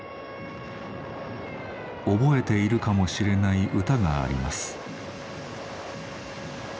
覚えているかもしれない歌があります。